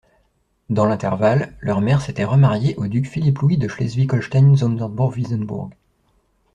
Dans l'intervalle, leur mère s'était remariée au duc Philippe-Louis de Schleswig-Holstein-Sonderbourg-Wiesenbourg.